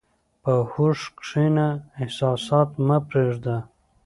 په هوښ کښېنه، احساسات مه پرېږده.